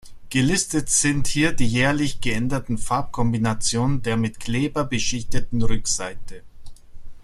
Gelistet sind hier die jährlich geänderten Farbkombinationen der mit Kleber beschichteten Rückseite.